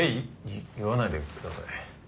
言わないでください。